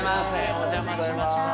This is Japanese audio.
お邪魔しました。